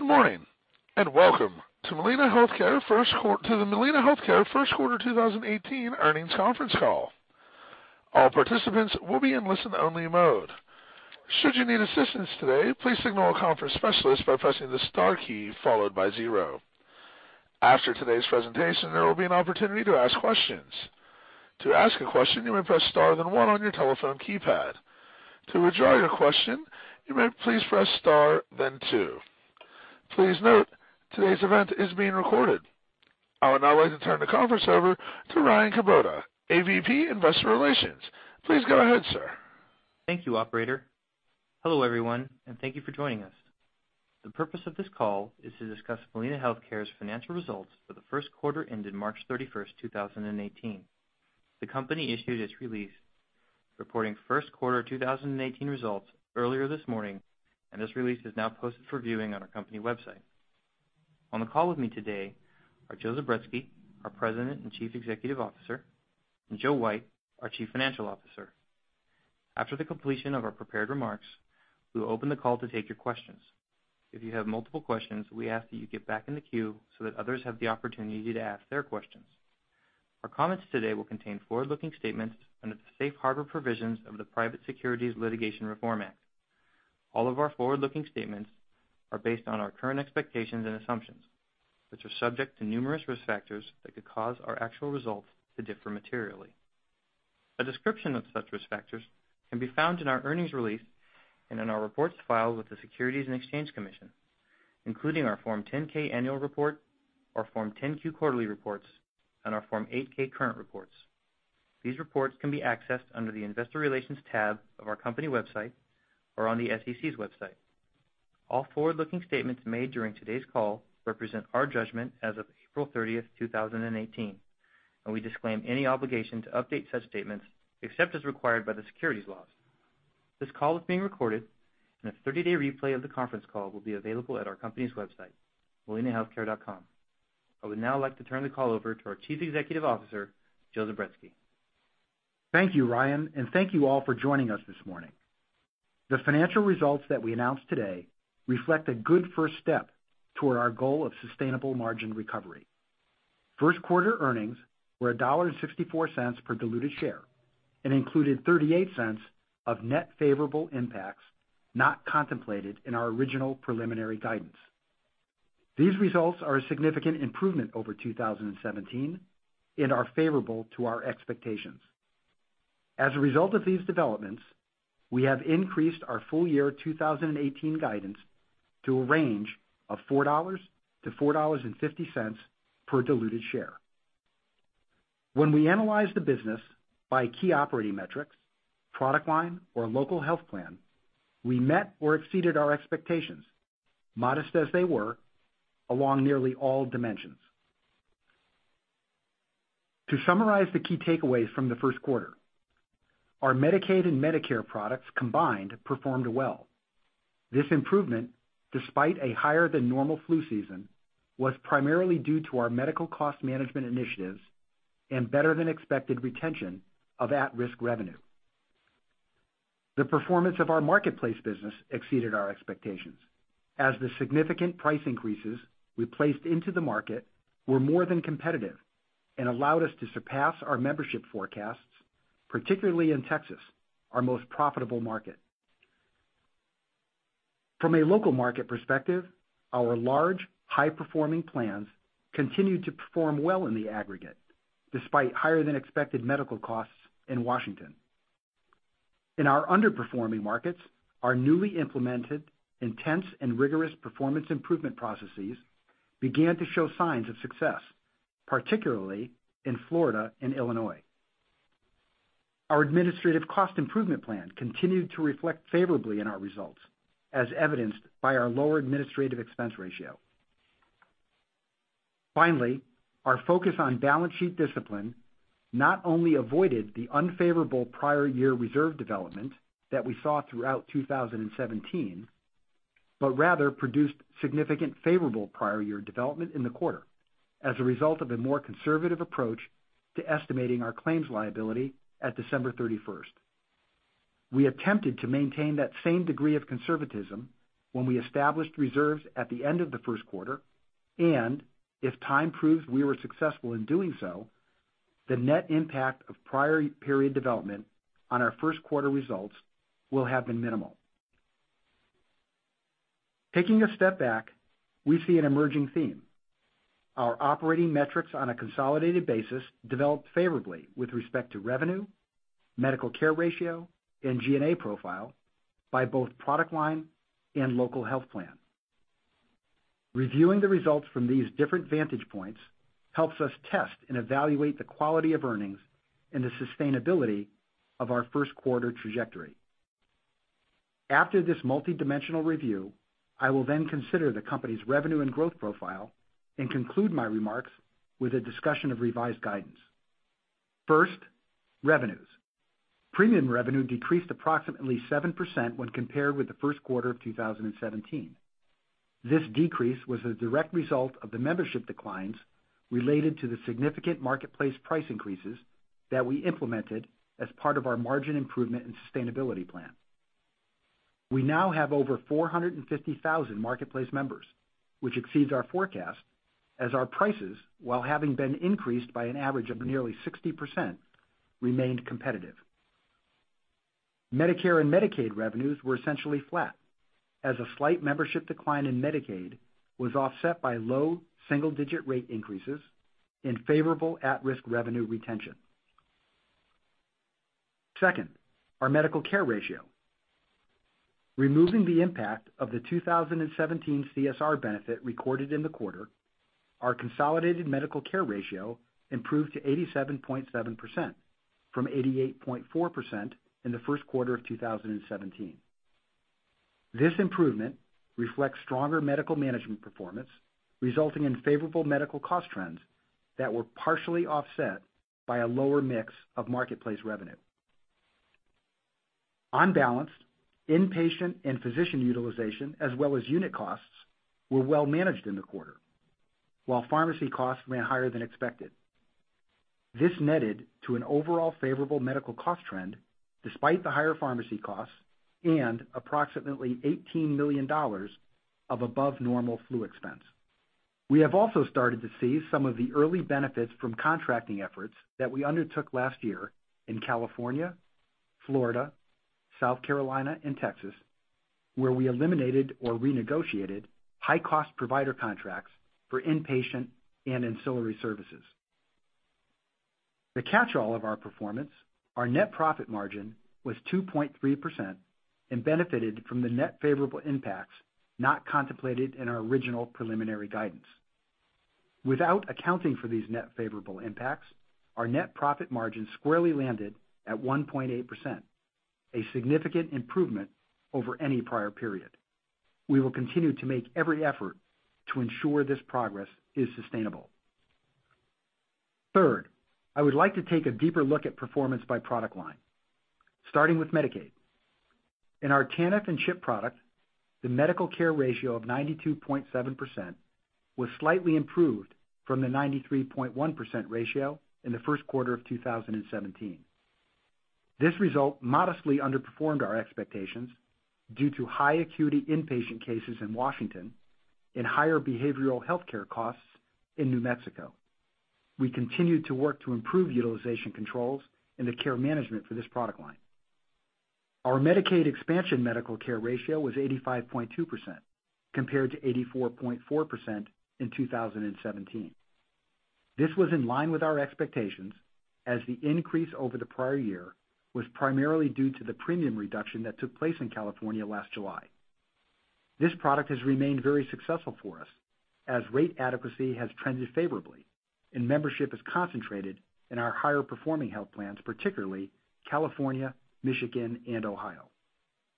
Good morning, and welcome to the Molina Healthcare first quarter 2018 earnings conference call. All participants will be in listen-only mode. Should you need assistance today, please signal a conference specialist by pressing the star key followed by zero. After today's presentation, there will be an opportunity to ask questions. To ask a question, you may press star, then one on your telephone keypad. To withdraw your question, you may please press star, then two. Please note, today's event is being recorded. I would now like to turn the conference over to Ryan Kubota, AVP, Investor Relations. Please go ahead, sir. Thank you, operator. Hello everyone, and thank you for joining us. The purpose of this call is to discuss Molina Healthcare's financial results for the first quarter ended March 31st, 2018. The company issued its release reporting first quarter 2018 results earlier this morning. This release is now posted for viewing on our company website. On the call with me today are Joe Zubretsky, our President and Chief Executive Officer, and Joe White, our Chief Financial Officer. After the completion of our prepared remarks, we will open the call to take your questions. If you have multiple questions, we ask that you get back in the queue so that others have the opportunity to ask their questions. Our comments today will contain forward-looking statements under the safe harbor provisions of the Private Securities Litigation Reform Act. All of our forward-looking statements are based on our current expectations and assumptions, which are subject to numerous risk factors that could cause our actual results to differ materially. A description of such risk factors can be found in our earnings release and in our reports filed with the Securities and Exchange Commission, including our Form 10-K Annual Report, our Form 10-Q Quarterly Reports, and our Form 8-K Current Reports. These reports can be accessed under the investor relations tab of our company website, or on the SEC's website. All forward-looking statements made during today's call represent our judgment as of April 30th, 2018. We disclaim any obligation to update such statements except as required by the securities laws. This call is being recorded and a 30-day replay of the conference call will be available at our company's website, molinahealthcare.com. I would now like to turn the call over to our Chief Executive Officer, Joe Zubretsky. Thank you, Ryan, and thank you all for joining us this morning. The financial results that we announced today reflect a good first step toward our goal of sustainable margin recovery. First quarter earnings were $1.64 per diluted share and included $0.38 of net favorable impacts not contemplated in our original preliminary guidance. These results are a significant improvement over 2017 and are favorable to our expectations. As a result of these developments, we have increased our full year 2018 guidance to a range of $4-$4.50 per diluted share. When we analyze the business by key operating metrics, product line, or local health plan, we met or exceeded our expectations, modest as they were, along nearly all dimensions. To summarize the key takeaways from the first quarter, our Medicaid and Medicare products combined performed well. This improvement, despite a higher than normal flu season, was primarily due to our medical cost management initiatives and better than expected retention of at-risk revenue. The performance of our Marketplace business exceeded our expectations as the significant price increases we placed into the market were more than competitive and allowed us to surpass our membership forecasts, particularly in Texas, our most profitable market. From a local market perspective, our large, high-performing plans continued to perform well in the aggregate, despite higher than expected medical costs in Washington. In our underperforming markets, our newly implemented intense and rigorous performance improvement processes began to show signs of success, particularly in Florida and Illinois. Our administrative cost improvement plan continued to reflect favorably in our results, as evidenced by our lower administrative expense ratio. Finally, our focus on balance sheet discipline not only avoided the unfavorable prior year reserve development that we saw throughout 2017, but rather produced significant favorable prior year development in the quarter as a result of a more conservative approach to estimating our claims liability at December 31st. We attempted to maintain that same degree of conservatism when we established reserves at the end of the first quarter, and if time proves we were successful in doing so, the net impact of prior period development on our first quarter results will have been minimal. Taking a step back, we see an emerging theme. Our operating metrics on a consolidated basis developed favorably with respect to revenue, medical care ratio, and G&A profile by both product line and local health plan. Reviewing the results from these different vantage points helps us test and evaluate the quality of earnings and the sustainability of our first quarter trajectory. After this multidimensional review, I will then consider the company's revenue and growth profile and conclude my remarks with a discussion of revised guidance. First, revenues. Premium revenue decreased approximately 7% when compared with the first quarter of 2017. This decrease was a direct result of the membership declines related to the significant Marketplace price increases that we implemented as part of our margin improvement and sustainability plan. We now have over 450,000 Marketplace members, which exceeds our forecast as our prices, while having been increased by an average of nearly 60%, remained competitive. Medicare and Medicaid revenues were essentially flat as a slight membership decline in Medicaid was offset by low single-digit rate increases and favorable at-risk revenue retention. Second, our medical care ratio. Removing the impact of the 2017 CSR benefit recorded in the quarter, our consolidated medical care ratio improved to 87.7%, from 88.4% in the first quarter of 2017. This improvement reflects stronger medical management performance, resulting in favorable medical cost trends that were partially offset by a lower mix of Marketplace revenue. On balance, inpatient and physician utilization, as well as unit costs, were well managed in the quarter, while pharmacy costs ran higher than expected. This netted to an overall favorable medical cost trend despite the higher pharmacy costs and approximately $18 million of above normal flu expense. We have also started to see some of the early benefits from contracting efforts that we undertook last year in California, Florida, South Carolina, and Texas, where we eliminated or renegotiated high-cost provider contracts for inpatient and ancillary services. The catch-all of our performance, our net profit margin, was 2.3% and benefited from the net favorable impacts not contemplated in our original preliminary guidance. Without accounting for these net favorable impacts, our net profit margin squarely landed at 1.8%, a significant improvement over any prior period. We will continue to make every effort to ensure this progress is sustainable. Third, I would like to take a deeper look at performance by product line, starting with Medicaid. In our TANF and CHIP product, the medical care ratio of 92.7% was slightly improved from the 93.1% ratio in the first quarter of 2017. This result modestly underperformed our expectations due to high acuity inpatient cases in Washington and higher behavioral healthcare costs in New Mexico. We continued to work to improve utilization controls and the care management for this product line. Our Medicaid expansion medical care ratio was 85.2%, compared to 84.4% in 2017. This was in line with our expectations, as the increase over the prior year was primarily due to the premium reduction that took place in California last July. This product has remained very successful for us as rate adequacy has trended favorably and membership is concentrated in our higher performing health plans, particularly California, Michigan, and Ohio.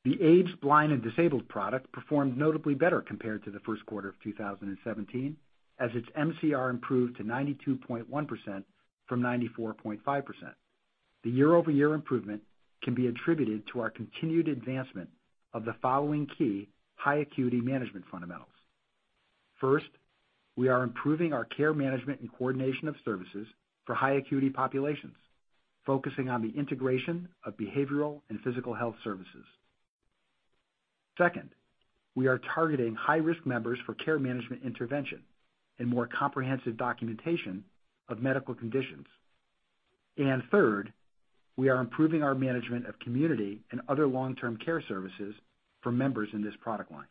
The aged, blind, and disabled product performed notably better compared to the first quarter of 2017, as its MCR improved to 92.1% from 94.5%. The year-over-year improvement can be attributed to our continued advancement of the following key high acuity management fundamentals. First, we are improving our care management and coordination of services for high acuity populations, focusing on the integration of behavioral and physical health services. Second, we are targeting high-risk members for care management intervention and more comprehensive documentation of medical conditions. Third, we are improving our management of community and other long-term care services for members in this product line.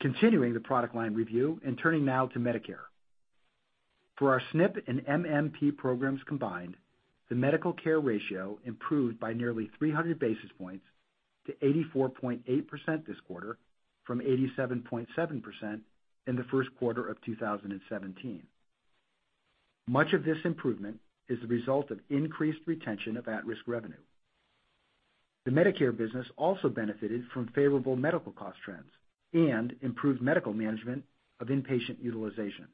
Continuing the product line review and turning now to Medicare. For our SNP and MMP programs combined, the medical care ratio improved by nearly 300 basis points to 84.8% this quarter from 87.7% in the first quarter of 2017. Much of this improvement is the result of increased retention of at-risk revenue. The Medicare business also benefited from favorable medical cost trends and improved medical management of inpatient utilization.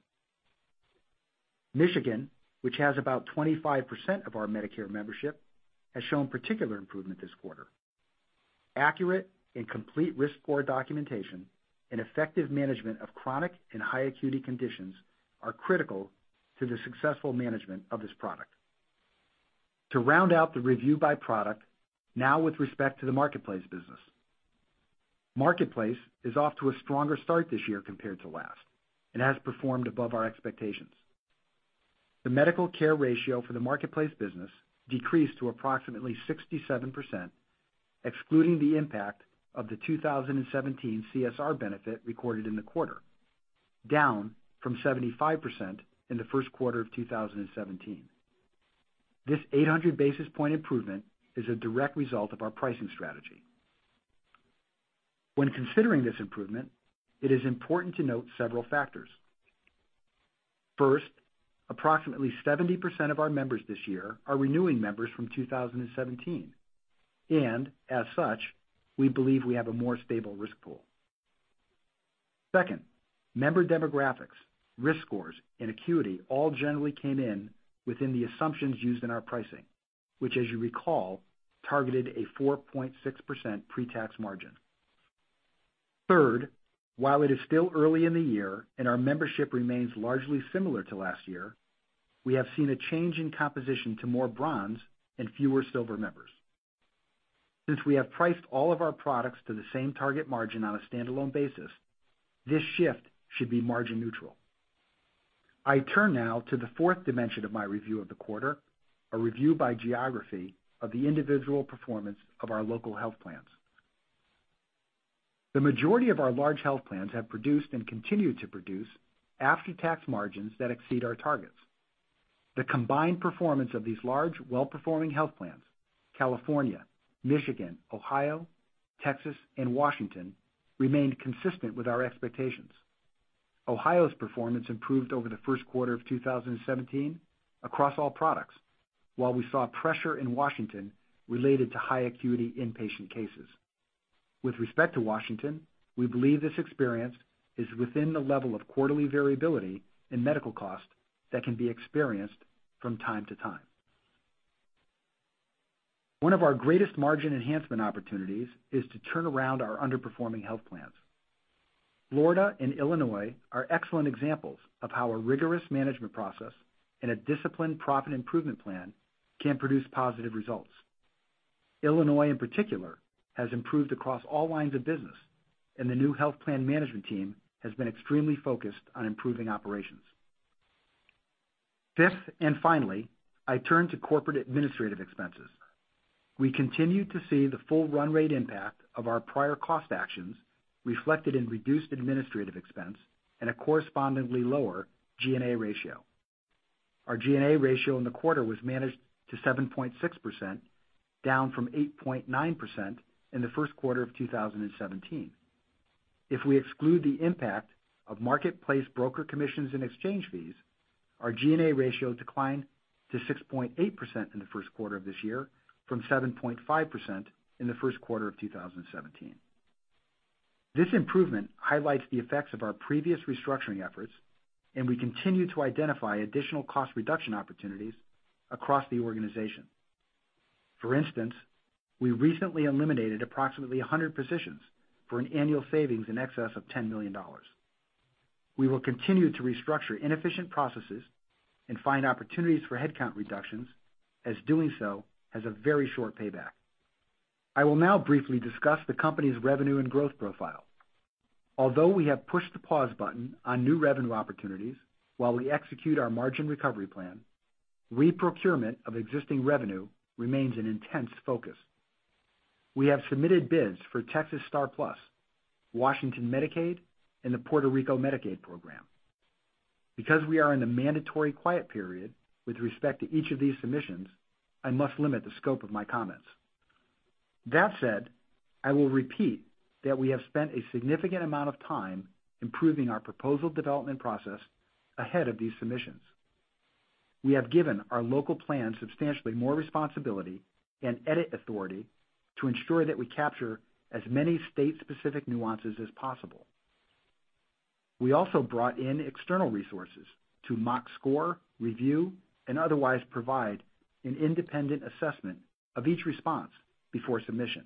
Michigan, which has about 25% of our Medicare membership, has shown particular improvement this quarter. Accurate and complete risk score documentation and effective management of chronic and high acuity conditions are critical to the successful management of this product. To round out the review by product, now with respect to the Marketplace business. Marketplace is off to a stronger start this year compared to last and has performed above our expectations. The medical care ratio for the Marketplace business decreased to approximately 67%, excluding the impact of the 2017 CSR benefit recorded in the quarter, down from 75% in the first quarter of 2017. This 800-basis point improvement is a direct result of our pricing strategy. When considering this improvement, it is important to note several factors. First, approximately 70% of our members this year are renewing members from 2017, and as such, we believe we have a more stable risk pool. Second, member demographics, risk scores, and acuity all generally came in within the assumptions used in our pricing, which as you recall, targeted a 4.6% pre-tax margin. Third, while it is still early in the year and our membership remains largely similar to last year, we have seen a change in composition to more bronze and fewer silver members. Since we have priced all of our products to the same target margin on a standalone basis, this shift should be margin neutral. I turn now to the fourth dimension of my review of the quarter, a review by geography of the individual performance of our local health plans. The majority of our large health plans have produced and continue to produce after-tax margins that exceed our targets. The combined performance of these large, well-performing health plans, California, Michigan, Ohio, Texas, and Washington, remained consistent with our expectations. Ohio's performance improved over the first quarter of 2017 across all products, while we saw pressure in Washington related to high acuity inpatient cases. With respect to Washington, we believe this experience is within the level of quarterly variability in medical costs that can be experienced from time to time. One of our greatest margin enhancement opportunities is to turn around our underperforming health plans. Florida and Illinois are excellent examples of how a rigorous management process and a disciplined profit improvement plan can produce positive results. Illinois, in particular, has improved across all lines of business, and the new health plan management team has been extremely focused on improving operations. Fifth, and finally, I turn to corporate administrative expenses. We continue to see the full run rate impact of our prior cost actions reflected in reduced administrative expense and a correspondingly lower G&A ratio. Our G&A ratio in the quarter was managed to 7.6%, down from 8.9% in the first quarter of 2017. If we exclude the impact of Marketplace broker commissions and exchange fees, our G&A ratio declined to 6.8% in the first quarter of this year from 7.5% in the first quarter of 2017. This improvement highlights the effects of our previous restructuring efforts, and we continue to identify additional cost reduction opportunities across the organization. For instance, we recently eliminated approximately 100 positions for an annual savings in excess of $10 million. We will continue to restructure inefficient processes and find opportunities for headcount reductions, as doing so has a very short payback. I will now briefly discuss the company's revenue and growth profile. Although we have pushed the pause button on new revenue opportunities while we execute our margin recovery plan, reprocurement of existing revenue remains an intense focus. We have submitted bids for Texas STAR+, Washington Medicaid, and the Puerto Rico Medicaid program. Because we are in a mandatory quiet period with respect to each of these submissions, I must limit the scope of my comments. That said, I will repeat that we have spent a significant amount of time improving our proposal development process ahead of these submissions. We have given our local plans substantially more responsibility and edit authority to ensure that we capture as many state-specific nuances as possible. We also brought in external resources to mock score, review, and otherwise provide an independent assessment of each response before submission.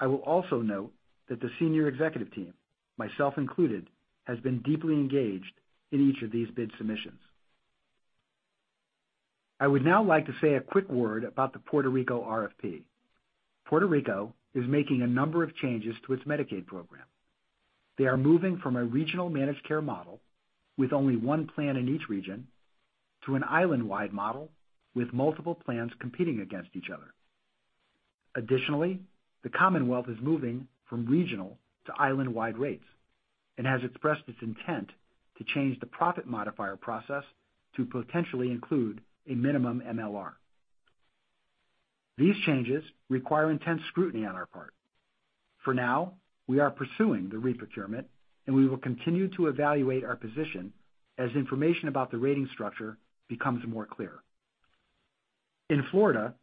I will also note that the senior executive team, myself included, has been deeply engaged in each of these bid submissions. I would now like to say a quick word about the Puerto Rico RFP. Puerto Rico is making a number of changes to its Medicaid program. They are moving from a regional managed care model with only one plan in each region to an island-wide model with multiple plans competing against each other. Additionally, the Commonwealth is moving from regional to island-wide rates and has expressed its intent to change the profit modifier process to potentially include a minimum MLR. These changes require intense scrutiny on our part. For now, we are pursuing the reprocurement, and we will continue to evaluate our position as information about the rating structure becomes more clear. In Florida,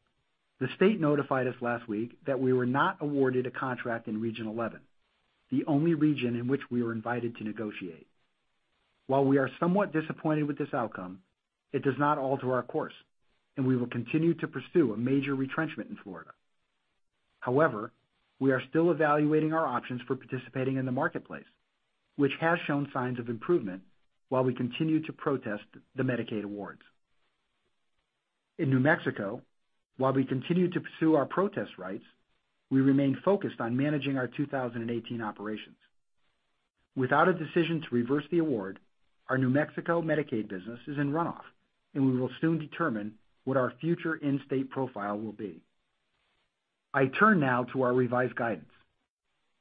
the state notified us last week that we were not awarded a contract in Region 11, the only region in which we were invited to negotiate. While we are somewhat disappointed with this outcome, it does not alter our course, and we will continue to pursue a major retrenchment in Florida. However, we are still evaluating our options for participating in the Marketplace, which has shown signs of improvement while we continue to protest the Medicaid awards. In New Mexico, while we continue to pursue our protest rights, we remain focused on managing our 2018 operations. Without a decision to reverse the award, our New Mexico Medicaid business is in runoff, and we will soon determine what our future in-state profile will be. I turn now to our revised guidance.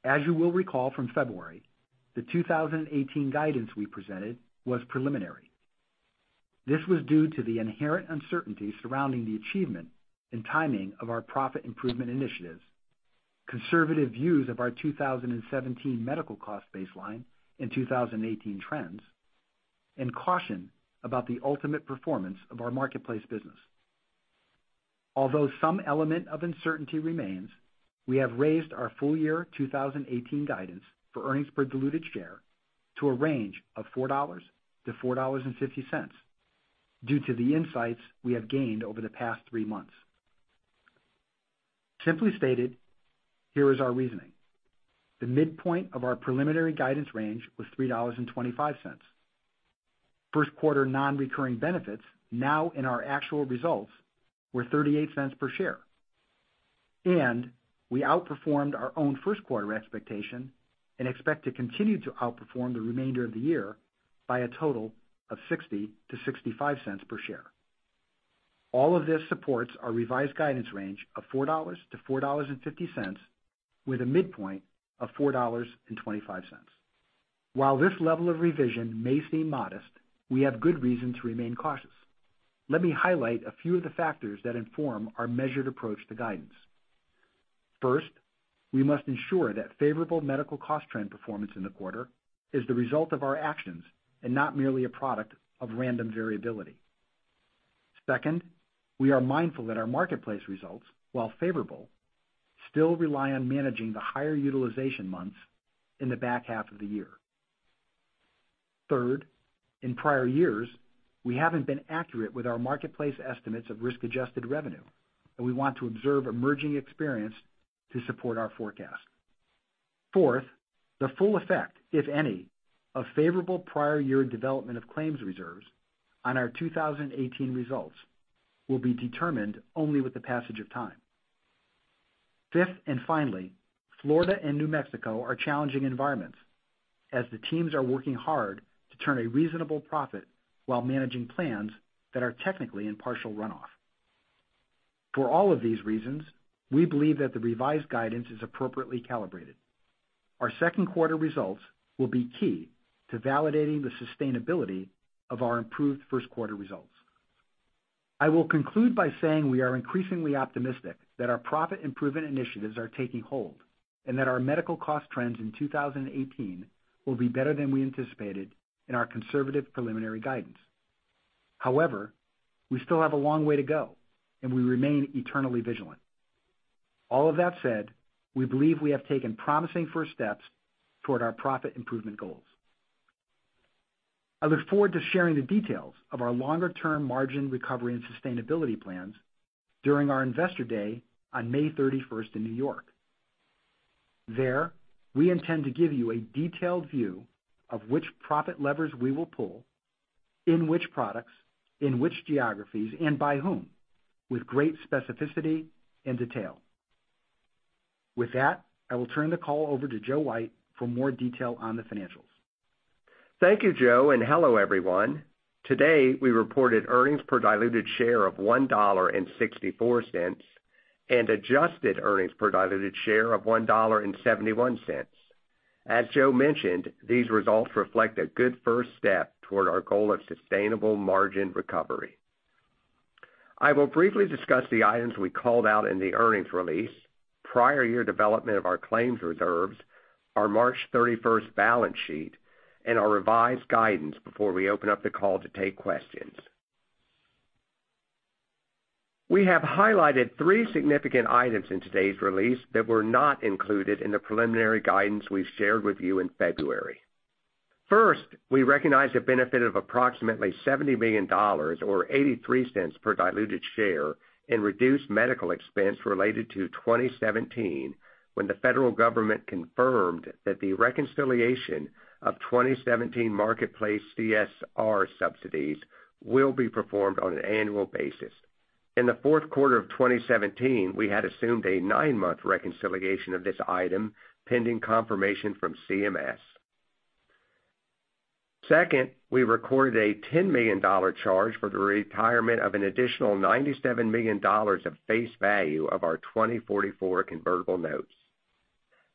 As you will recall from February, the 2018 guidance we presented was preliminary. This was due to the inherent uncertainty surrounding the achievement and timing of our profit improvement initiatives, conservative views of our 2017 medical cost baseline and 2018 trends, and caution about the ultimate performance of our Marketplace business. Although some element of uncertainty remains, we have raised our full year 2018 guidance for earnings per diluted share to a range of $4-$4.50 due to the insights we have gained over the past three months. Simply stated, here is our reasoning. The midpoint of our preliminary guidance range was $3.25. First quarter non-recurring benefits now in our actual results were $0.38 per share, and we outperformed our own first quarter expectation and expect to continue to outperform the remainder of the year by a total of $0.60-$0.65 per share. All of this supports our revised guidance range of $4-$4.50, with a midpoint of $4.25. While this level of revision may seem modest, we have good reason to remain cautious. Let me highlight a few of the factors that inform our measured approach to guidance. First, we must ensure that favorable medical cost trend performance in the quarter is the result of our actions and not merely a product of random variability. Second, we are mindful that our Marketplace results, while favorable, still rely on managing the higher utilization months in the back half of the year. Third, in prior years, we haven't been accurate with our Marketplace estimates of risk-adjusted revenue, and we want to observe emerging experience to support our forecast. Fourth, the full effect, if any, of favorable prior year development of claims reserves on our 2018 results will be determined only with the passage of time. Fifth, finally, Florida and New Mexico are challenging environments as the teams are working hard to turn a reasonable profit while managing plans that are technically in partial runoff. For all of these reasons, we believe that the revised guidance is appropriately calibrated. Our second quarter results will be key to validating the sustainability of our improved first quarter results. I will conclude by saying we are increasingly optimistic that our profit improvement initiatives are taking hold and that our medical cost trends in 2018 will be better than we anticipated in our conservative preliminary guidance. We still have a long way to go, and we remain eternally vigilant. All of that said, we believe we have taken promising first steps toward our profit improvement goals. I look forward to sharing the details of our longer-term margin recovery and sustainability plans during our Investor Day on May 31st in New York. There, we intend to give you a detailed view of which profit levers we will pull, in which products, in which geographies, and by whom, with great specificity and detail. With that, I will turn the call over to Joseph White for more detail on the financials. Thank you, Joe, and hello, everyone. Today, we reported earnings per diluted share of $1.64 and adjusted earnings per diluted share of $1.71. As Joe mentioned, these results reflect a good first step toward our goal of sustainable margin recovery. I will briefly discuss the items we called out in the earnings release, prior year development of our claims reserves, our March 31st balance sheet, and our revised guidance before we open up the call to take questions. We have highlighted three significant items in today's release that were not included in the preliminary guidance we shared with you in February. First, we recognize the benefit of approximately $70 million, or $0.83 per diluted share, in reduced medical expense related to 2017, when the federal government confirmed that the reconciliation of 2017 Marketplace CSR subsidies will be performed on an annual basis. In the fourth quarter of 2017, we had assumed a nine-month reconciliation of this item, pending confirmation from CMS. We recorded a $10 million charge for the retirement of an additional $97 million of face value of our 2044 convertible notes.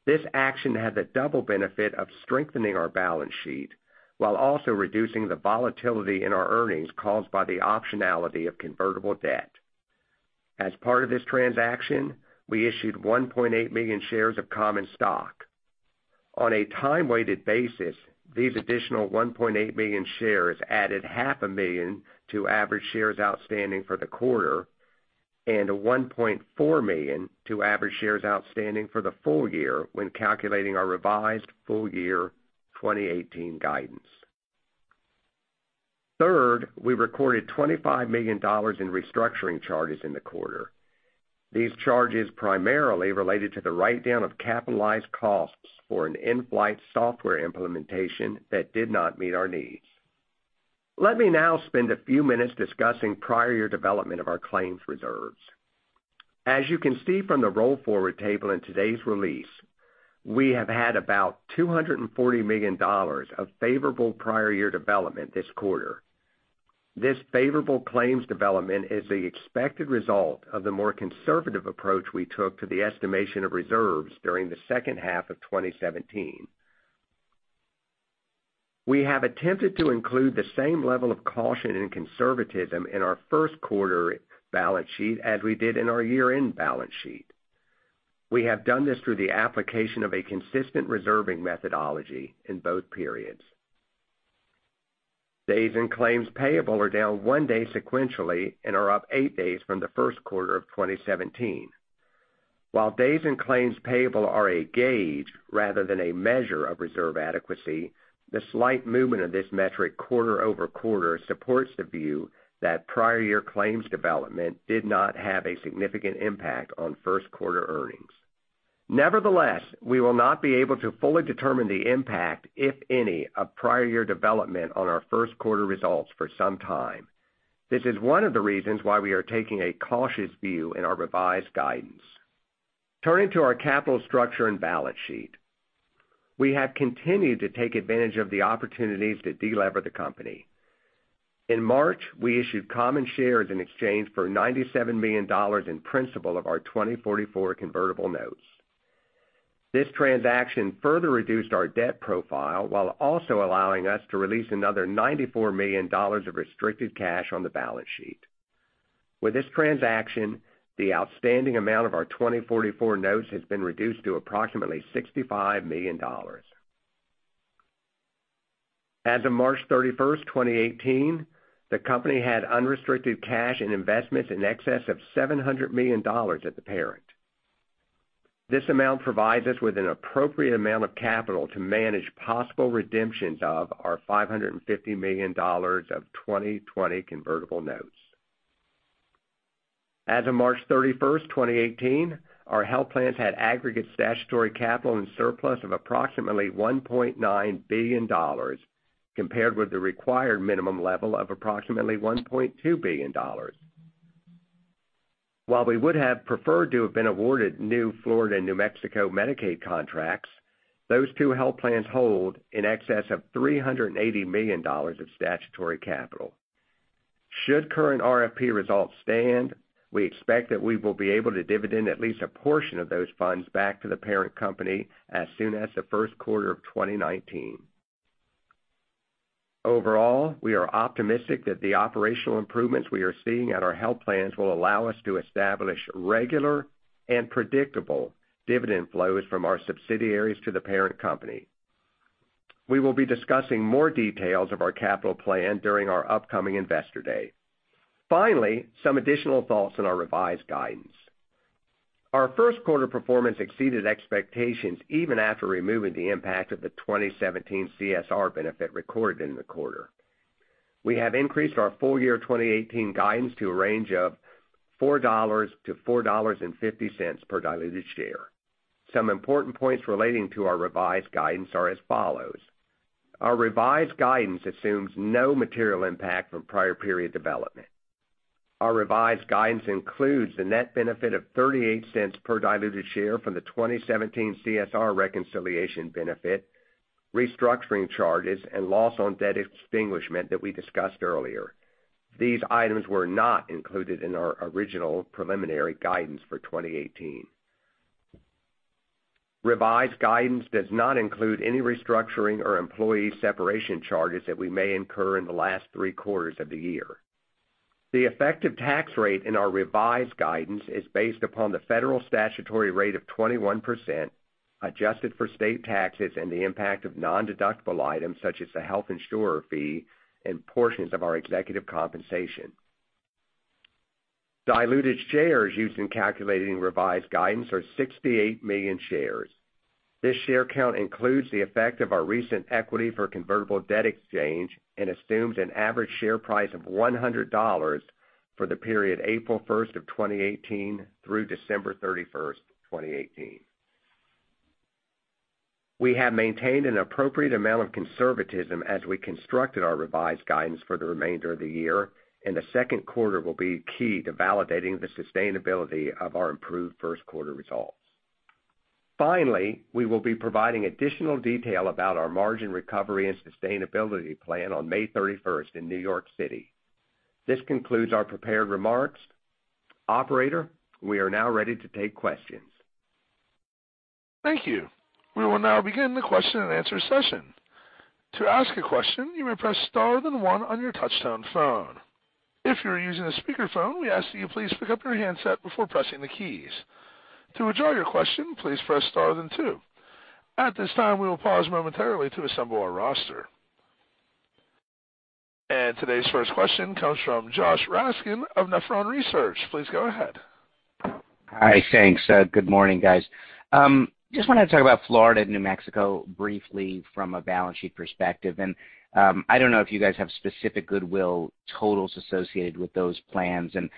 This action has the double benefit of strengthening our balance sheet while also reducing the volatility in our earnings caused by the optionality of convertible debt. As part of this transaction, we issued 1.8 million shares of common stock. On a time-weighted basis, these additional 1.8 million shares added half a million to average shares outstanding for the quarter and 1.4 million to average shares outstanding for the full year when calculating our revised full year 2018 guidance. We recorded $25 million in restructuring charges in the quarter. These charges primarily related to the write-down of capitalized costs for an in-flight software implementation that did not meet our needs. Let me now spend a few minutes discussing prior year development of our claims reserves. As you can see from the roll forward table in today's release, we have had about $240 million of favorable prior year development this quarter. This favorable claims development is the expected result of the more conservative approach we took to the estimation of reserves during the second half of 2017. We have attempted to include the same level of caution and conservatism in our first quarter balance sheet as we did in our year-end balance sheet. We have done this through the application of a consistent reserving methodology in both periods. Days in claims payable are down one day sequentially and are up eight days from the first quarter of 2017. While days in claims payable are a gauge rather than a measure of reserve adequacy, the slight movement of this metric quarter-over-quarter supports the view that prior year claims development did not have a significant impact on first quarter earnings. Nevertheless, we will not be able to fully determine the impact, if any, of prior year development on our first quarter results for some time. This is one of the reasons why we are taking a cautious view in our revised guidance. Turning to our capital structure and balance sheet. We have continued to take advantage of the opportunities to delever the company. In March, we issued common shares in exchange for $97 million in principal of our 2044 convertible notes. This transaction further reduced our debt profile while also allowing us to release another $94 million of restricted cash on the balance sheet. With this transaction, the outstanding amount of our 2044 notes has been reduced to approximately $65 million. As of March 31st, 2018, the company had unrestricted cash and investments in excess of $700 million at the parent. This amount provides us with an appropriate amount of capital to manage possible redemptions of our $550 million of 2020 convertible notes. As of March 31st, 2018, our health plans had aggregate statutory capital and surplus of approximately $1.9 billion, compared with the required minimum level of approximately $1.2 billion. While we would have preferred to have been awarded new Florida and New Mexico Medicaid contracts, those two health plans hold in excess of $380 million of statutory capital. Should current RFP results stand, we expect that we will be able to dividend at least a portion of those funds back to the parent company as soon as the first quarter of 2019. Overall, we are optimistic that the operational improvements we are seeing at our health plans will allow us to establish regular and predictable dividend flows from our subsidiaries to the parent company. We will be discussing more details of our capital plan during our upcoming Investor Day. Finally, some additional thoughts on our revised guidance. Our first quarter performance exceeded expectations even after removing the impact of the 2017 CSR benefit recorded in the quarter. We have increased our full year 2018 guidance to a range of $4-$4.50 per diluted share. Some important points relating to our revised guidance are as follows. Our revised guidance assumes no material impact from prior period development. Our revised guidance includes the net benefit of $0.38 per diluted share from the 2017 CSR reconciliation benefit, restructuring charges, and loss on debt extinguishment that we discussed earlier. These items were not included in our original preliminary guidance for 2018. Revised guidance does not include any restructuring or employee separation charges that we may incur in the last three quarters of the year. The effective tax rate in our revised guidance is based upon the federal statutory rate of 21%, adjusted for state taxes and the impact of nondeductible items such as the health insurer fee and portions of our executive compensation. Diluted shares used in calculating revised guidance are 68 million shares. This share count includes the effect of our recent equity for convertible debt exchange and assumes an average share price of $100 for the period April 1st of 2018 through December 31st, 2018. We have maintained an appropriate amount of conservatism as we constructed our revised guidance for the remainder of the year, and the second quarter will be key to validating the sustainability of our improved first quarter results. Finally, we will be providing additional detail about our margin recovery and sustainability plan on May 31st in New York City. This concludes our prepared remarks. Operator, we are now ready to take questions. Thank you. We will now begin the question and answer session. To ask a question, you may press star then one on your touchtone phone. If you are using a speakerphone, we ask that you please pick up your handset before pressing the keys. To withdraw your question, please press star then two. At this time, we will pause momentarily to assemble our roster. Today's first question comes from Joshua Raskin of Nephron Research. Please go ahead. Hi. Thanks. Good morning, guys. Just wanted to talk about Florida and New Mexico briefly from a balance sheet perspective. I don't know if you guys have specific goodwill totals associated with those plans, and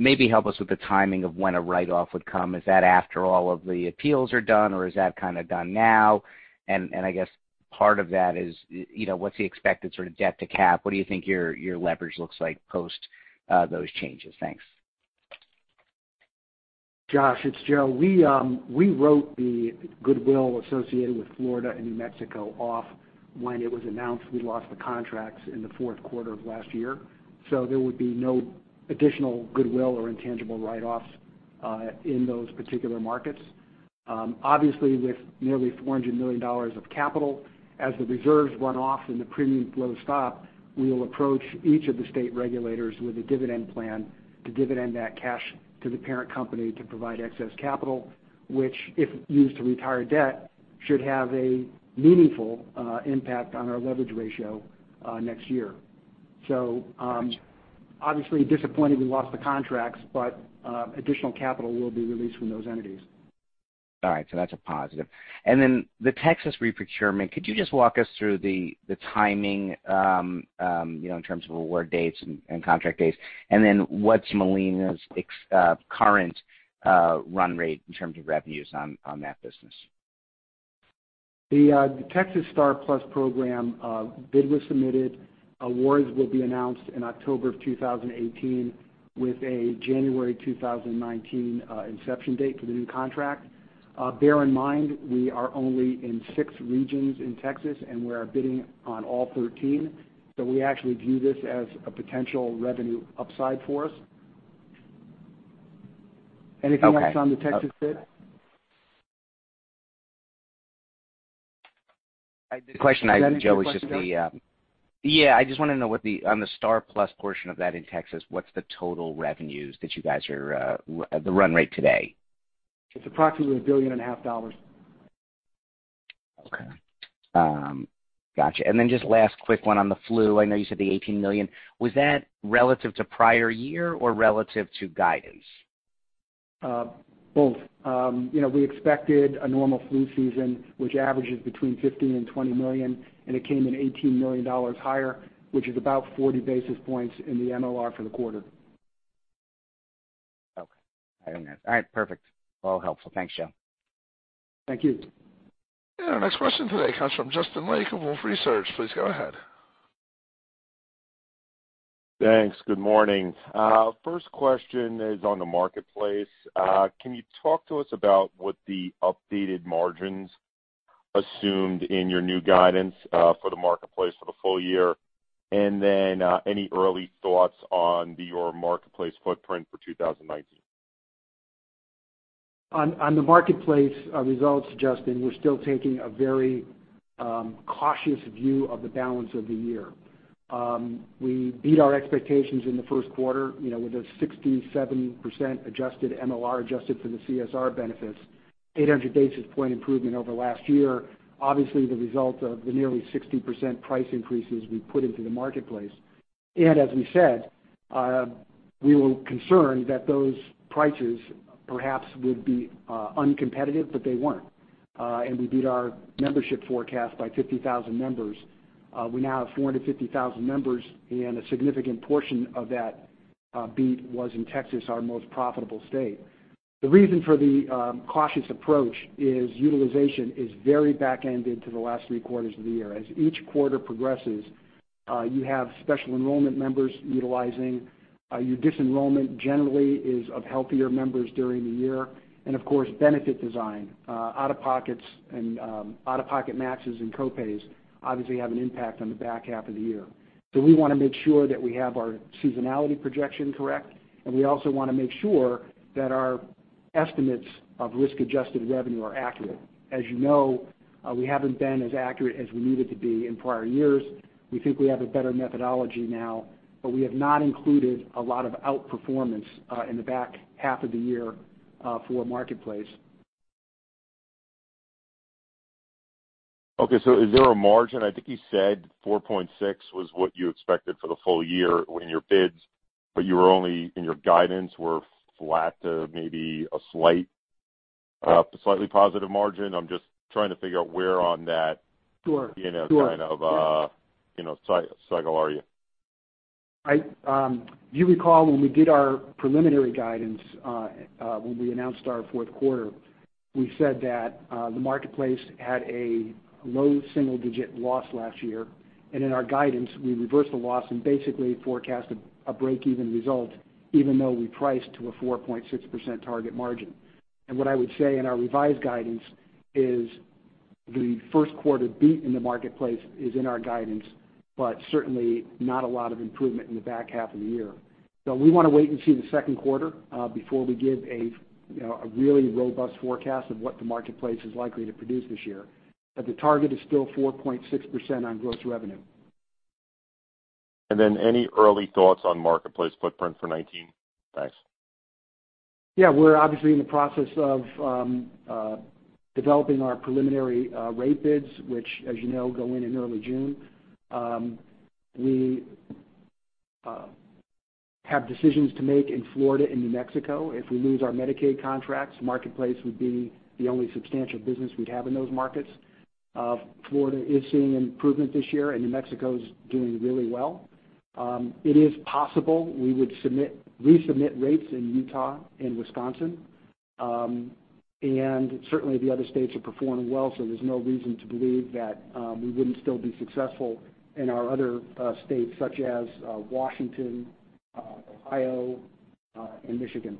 maybe help us with the timing of when a write-off would come. Is that after all of the appeals are done, or is that kind of done now? I guess part of that is what's the expected sort of debt to cap? What do you think your leverage looks like post those changes? Thanks. Josh, it's Joe. We wrote the goodwill associated with Florida and New Mexico off when it was announced we lost the contracts in the fourth quarter of last year. There would be no additional goodwill or intangible write-offs in those particular markets. Obviously, with nearly $400 million of capital, as the reserves run off and the premium flow stop, we will approach each of the state regulators with a dividend plan to dividend that cash to the parent company to provide excess capital, which, if used to retire debt, should have a meaningful impact on our leverage ratio next year. Obviously disappointed we lost the contracts, but additional capital will be released from those entities. All right, so that's a positive. The Texas reprocurement, could you just walk us through the timing, in terms of award dates and contract dates, and then what's Molina's current run rate in terms of revenues on that business? The Texas STAR+PLUS program bid was submitted. Awards will be announced in October of 2018, with a January 2019 inception date for the new contract. Bear in mind, we are only in six regions in Texas, and we are bidding on all 13. We actually view this as a potential revenue upside for us. Anything else on the Texas bid? The question I had, Joe, is just Is that the question, Dan? Yeah, I just want to know, on the STAR+ portion of that in Texas, what's the total revenues, the run rate today? It's approximately a billion and a half dollars. Okay. Got you. Just last quick one on the flu. I know you said the $18 million. Was that relative to prior year or relative to guidance? Both. We expected a normal flu season, which averages between $15 million and $20 million, and it came in $18 million higher, which is about 40 basis points in the MLR for the quarter. Okay. All right, perfect. Well, helpful. Thanks, Joe. Thank you. Our next question today comes from Justin Lake of Wolfe Research. Please go ahead. Thanks. Good morning. First question is on the Marketplace. Can you talk to us about what the updated margins assumed in your new guidance for the Marketplace for the full year, and then any early thoughts on your Marketplace footprint for 2019? On the Marketplace results, Justin, we're still taking a very cautious view of the balance of the year. We beat our expectations in the first quarter, with a 67% adjusted MLR, adjusted for the CSR benefits, 800 basis point improvement over last year. Obviously, the result of the nearly 60% price increases we put into the Marketplace. As we said, we were concerned that those prices perhaps would be uncompetitive, but they weren't. We beat our membership forecast by 50,000 members. We now have 450,000 members, and a significant portion of that beat was in Texas, our most profitable state. The reason for the cautious approach is utilization is very back-ended to the last three quarters of the year. As each quarter progresses, you have special enrollment members utilizing, your dis-enrollment generally is of healthier members during the year, and of course, benefit design, out-of-pocket matches and co-pays obviously have an impact on the back half of the year. We want to make sure that we have our seasonality projection correct, and we also want to make sure that our estimates of risk-adjusted revenue are accurate. You know, we haven't been as accurate as we needed to be in prior years. We think we have a better methodology now, but we have not included a lot of outperformance in the back half of the year for Marketplace. Okay, is there a margin? I think you said 4.6% was what you expected for the full year in your bids, but you were only in your guidance were flat to maybe a slightly positive margin. I'm just trying to figure out where on that- Sure kind of cycle are you? You recall when we did our preliminary guidance, when we announced our fourth quarter, we said that the Marketplace had a low single-digit loss last year, in our guidance, we reversed the loss and basically forecasted a break-even result, even though we priced to a 4.6% target margin. What I would say in our revised guidance is the first quarter beat in the Marketplace is in our guidance, but certainly not a lot of improvement in the back half of the year. We want to wait and see the second quarter, before we give a really robust forecast of what the Marketplace is likely to produce this year. The target is still 4.6% on gross revenue. Any early thoughts on Marketplace footprint for 2019? Thanks. We're obviously in the process of developing our preliminary rate bids, which as you know, go in in early June. We have decisions to make in Florida and New Mexico. If we lose our Medicaid contracts, Marketplace would be the only substantial business we'd have in those markets. Florida is seeing improvement this year, and New Mexico's doing really well. It is possible we would resubmit rates in Utah and Wisconsin. Certainly the other states are performing well, so there's no reason to believe that we wouldn't still be successful in our other states, such as Washington, Ohio, Michigan,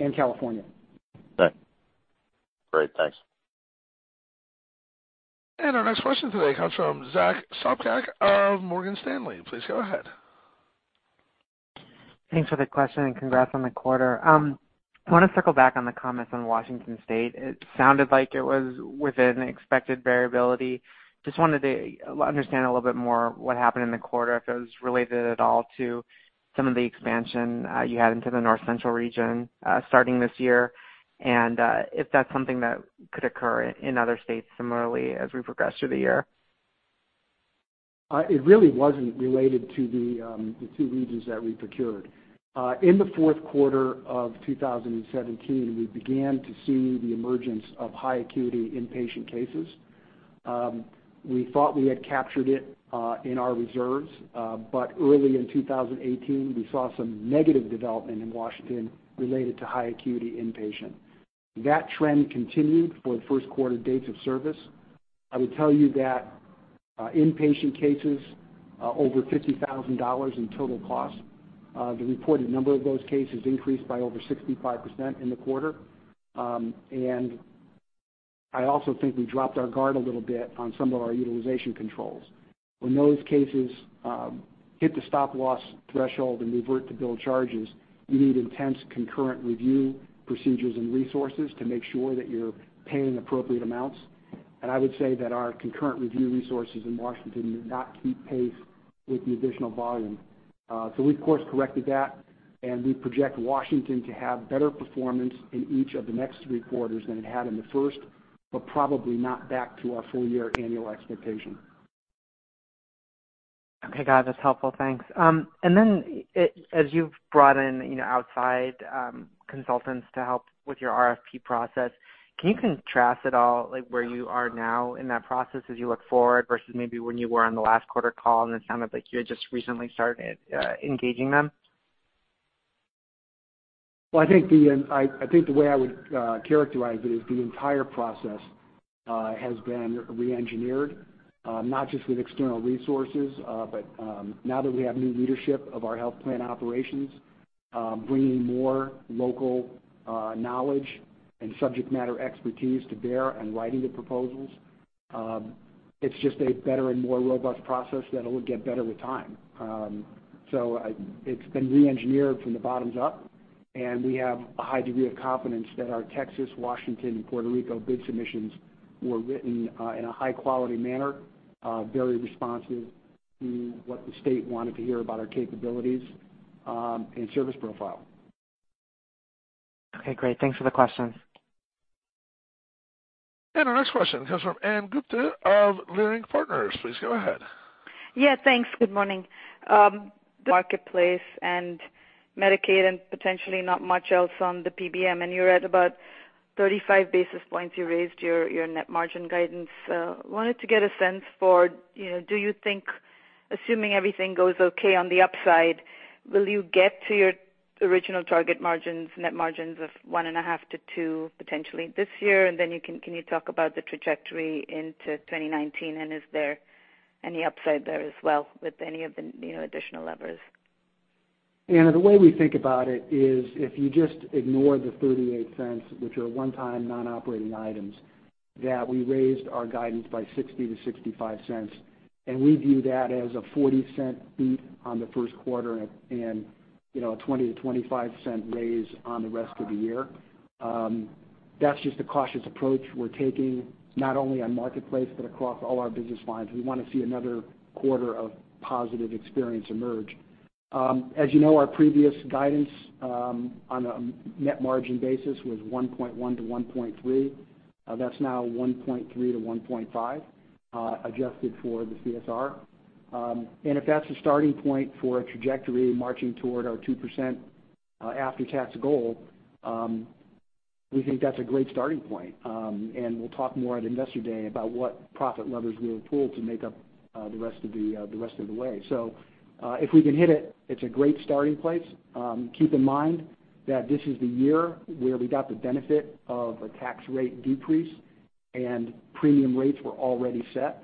and California. Okay. Great. Thanks. Our next question today comes from Zack Sopcak of Morgan Stanley. Please go ahead. Thanks for the question, and congrats on the quarter. I want to circle back on the comments on Washington State. It sounded like it was within expected variability. Just wanted to understand a little bit more what happened in the quarter, if it was related at all to some of the expansion you had into the North Central region starting this year. If that's something that could occur in other states similarly as we progress through the year? It really wasn't related to the two regions that we procured. In the fourth quarter of 2017, we began to see the emergence of high acuity inpatient cases. We thought we had captured it in our reserves. Early in 2018, we saw some negative development in Washington related to high acuity inpatient. That trend continued for the first quarter dates of service. I would tell you that inpatient cases over $50,000 in total cost, the reported number of those cases increased by over 65% in the quarter. I also think we dropped our guard a little bit on some of our utilization controls. When those cases hit the stop loss threshold and revert to bill charges, you need intense concurrent review procedures and resources to make sure that you're paying appropriate amounts. I would say that our concurrent review resources in Washington did not keep pace with the additional volume. We course-corrected that, and we project Washington to have better performance in each of the next three quarters than it had in the first, but probably not back to our full year annual expectation. Okay, got it. That's helpful. Thanks. Then as you've brought in outside consultants to help with your RFP process, can you contrast at all where you are now in that process as you look forward versus maybe when you were on the last quarter call and it sounded like you had just recently started engaging them? Well, I think the way I would characterize it is the entire process has been re-engineered, not just with external resources, but now that we have new leadership of our health plan operations, bringing more local knowledge and subject matter expertise to bear in writing the proposals. It's just a better and more robust process that'll get better with time. It's been re-engineered from the bottoms up, and we have a high degree of confidence that our Texas, Washington, Puerto Rico bid submissions were written in a high-quality manner, very responsive to what the state wanted to hear about our capabilities and service profile. Okay, great. Thanks for the questions. Our next question comes from Ana Gupte of Leerink Partners. Please go ahead. Yeah, thanks. Good morning. Marketplace and Medicaid and potentially not much else on the PBM. You're at about 35 basis points you raised your net margin guidance. Wanted to get a sense for do you think, assuming everything goes okay on the upside, will you get to your original target margins, net margins of 1.5 to 2 potentially this year? Can you talk about the trajectory into 2019? Is there any upside there as well with any of the additional levers? Ana, the way we think about it is if you just ignore the $0.38, which are one-time non-operating items, we raised our guidance by $0.60-$0.65. We view that as a $0.40 beat on the first quarter and a $0.20-$0.25 raise on the rest of the year. That's just a cautious approach we're taking, not only on Marketplace, but across all our business lines. We want to see another quarter of positive experience emerge. As you know, our previous guidance on a net margin basis was 1.1%-1.3%. That's now 1.3%-1.5%, adjusted for the CSR. If that's the starting point for a trajectory marching toward our 2% after-tax goal, we think that's a great starting point. We'll talk more at Investor Day about what profit levers we'll pull to make up the rest of the way. If we can hit it's a great starting place. Keep in mind that this is the year where we got the benefit of a tax rate decrease and premium rates were already set.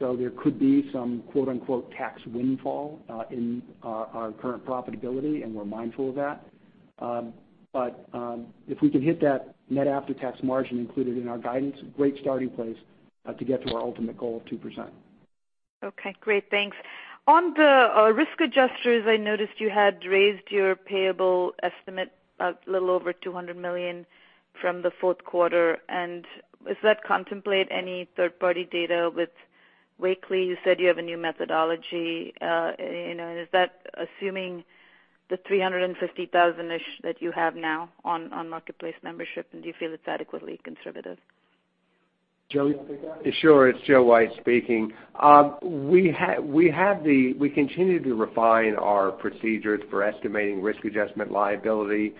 So there could be some, quote unquote, tax windfall in our current profitability, and we're mindful of that. But if we can hit that net after-tax margin included in our guidance, great starting place to get to our ultimate goal of 2%. Okay, great. Thanks. On the risk adjusters, I noticed you had raised your payable estimate a little over $200 million from the fourth quarter. Does that contemplate any third-party data with Wakely? You said you have a new methodology. Is that assuming the 350,000-ish that you have now on Marketplace membership, and do you feel it's adequately conservative? Joe, you want to take that? Sure. It's Joseph White speaking. We continue to refine our procedures for estimating risk adjustment liability.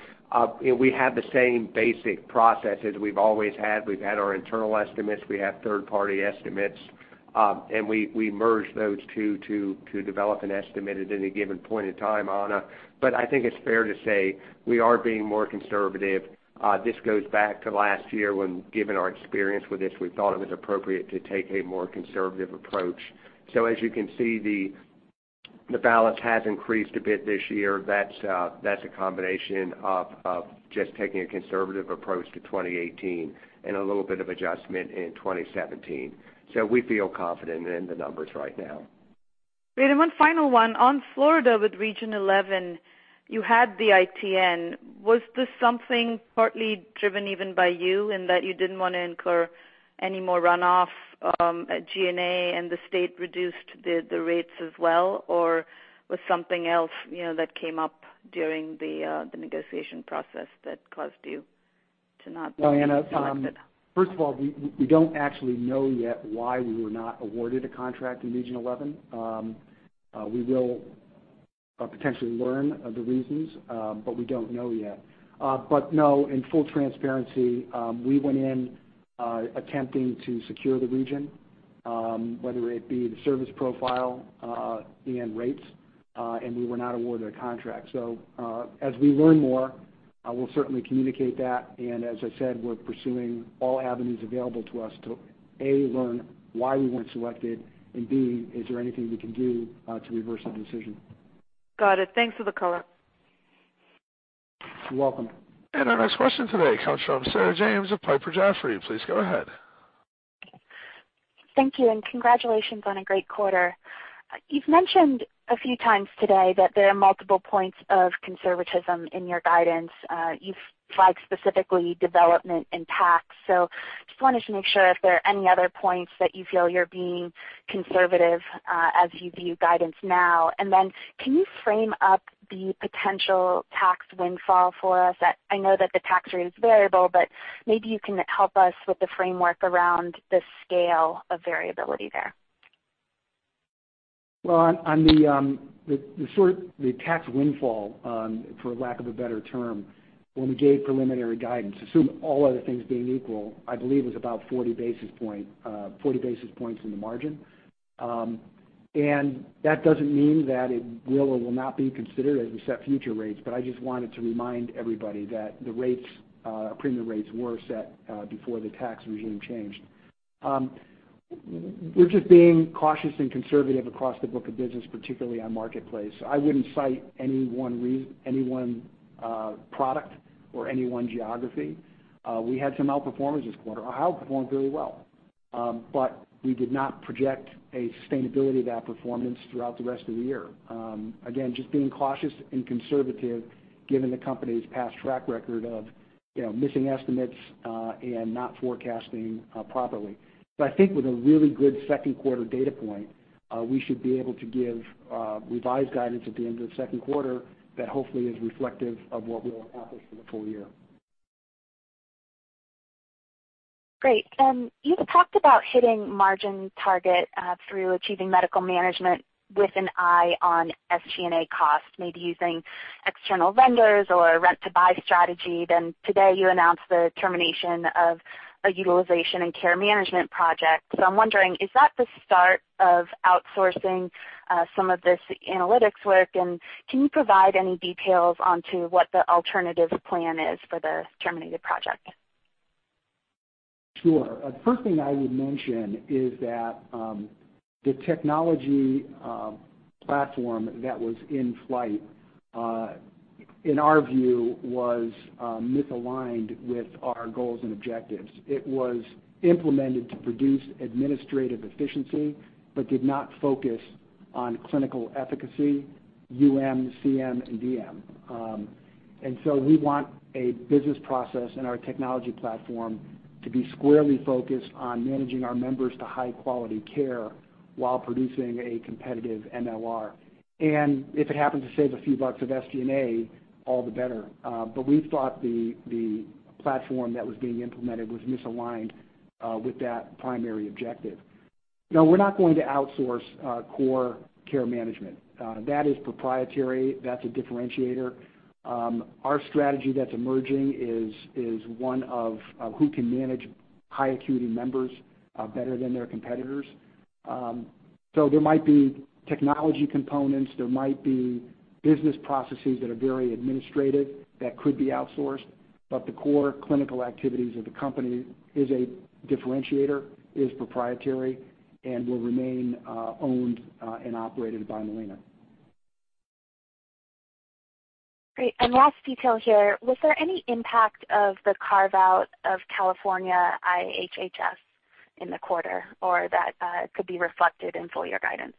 We have the same basic processes we've always had. We've had our internal estimates, we have third-party estimates, and we merge those two to develop an estimate at any given point in time, Ana. I think it's fair to say we are being more conservative. This goes back to last year when, given our experience with this, we thought it was appropriate to take a more conservative approach. As you can see, the balance has increased a bit this year. That's a combination of just taking a conservative approach to 2018 and a little bit of adjustment in 2017. We feel confident in the numbers right now. Great. One final one. On Florida with Region 11, you had the ITN. Was this something partly driven even by you, in that you didn't want to incur any more runoff at G&A and the state reduced the rates as well? Was something else that came up during the negotiation process that caused you? Ana, first of all, we don't actually know yet why we were not awarded a contract in Region 11. We will potentially learn the reasons, but we don't know yet. No, in full transparency, we went in attempting to secure the region, whether it be the service profile and rates, and we were not awarded a contract. As we learn more, we'll certainly communicate that. As I said, we're pursuing all avenues available to us to, A, learn why we weren't selected, and B, is there anything we can do to reverse that decision? Got it. Thanks for the color. You're welcome. Our next question today comes from Sarah James of Piper Jaffray. Please go ahead. Thank you, and congratulations on a great quarter. You've mentioned a few times today that there are multiple points of conservatism in your guidance. You've flagged specifically development and tax. Just wanted to make sure if there are any other points that you feel you're being conservative as you view guidance now. Then can you frame up the potential tax windfall for us? I know that the tax rate is variable, but maybe you can help us with the framework around the scale of variability there. Well, on the tax windfall, for lack of a better term, when we gave preliminary guidance, assume all other things being equal, I believe it was about 40 basis points in the margin. That doesn't mean that it will or will not be considered as we set future rates, but I just wanted to remind everybody that the premium rates were set before the tax regime changed. We're just being cautious and conservative across the book of business, particularly on Marketplace. I wouldn't cite any one product or any one geography. We had some outperformance this quarter. Our health performed very well. We did not project a sustainability of that performance throughout the rest of the year. Again, just being cautious and conservative given the company's past track record of missing estimates and not forecasting properly. I think with a really good second quarter data point, we should be able to give revised guidance at the end of the second quarter that hopefully is reflective of what we'll accomplish for the full year. Great. You've talked about hitting margin target through achieving medical management with an eye on SG&A costs, maybe using external vendors or a rent-to-buy strategy. Today you announced the termination of a utilization and care management project. I'm wondering, is that the start of outsourcing some of this analytics work? Can you provide any details onto what the alternative plan is for the terminated project? Sure. First thing I would mention is that the technology platform that was in flight, in our view, was misaligned with our goals and objectives. It was implemented to produce administrative efficiency but did not focus on clinical efficacy, UM, CM, and UM. We want a business process and our technology platform to be squarely focused on managing our members to high-quality care while producing a competitive MLR. If it happens to save a few bucks of SG&A, all the better. We thought the platform that was being implemented was misaligned with that primary objective. No, we're not going to outsource core care management. That is proprietary. That's a differentiator. Our strategy that's emerging is one of who can manage high-acuity members better than their competitors. There might be technology components, there might be business processes that are very administrative that could be outsourced, but the core clinical activities of the company is a differentiator, is proprietary, and will remain owned and operated by Molina. Great. Last detail here. Was there any impact of the carve-out of California IHSS in the quarter, or that could be reflected in full-year guidance?